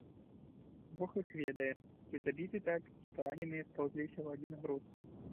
Бог іх ведае, ці забіты так, ці параненыя спаўзліся ў адзін груд.